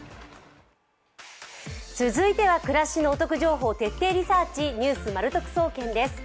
続いては暮らしのお得情報徹底リサーチ「ニュースまる得総研」です。